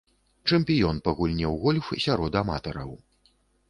Чэмпіён па гульне ў гольф сярод аматараў.